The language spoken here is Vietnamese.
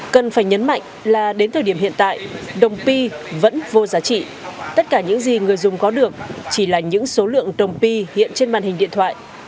cần phải nhấn mạnh là đến thời điểm hiện tại đồng p vẫn vô giá trị tất cả những gì người dùng có được chỉ là những số lượng đồng p hiện trên màn hình điện thoại